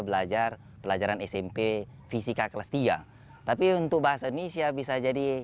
belajar pelajaran smp fisika kelas tiga tapi untuk bahasa indonesia bisa jadi